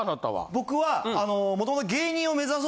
僕は。